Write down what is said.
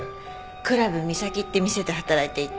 クラブ・ミサキって店で働いていて。